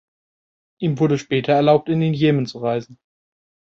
Ihm wurde später erlaubt, in den Jemen zu reisen.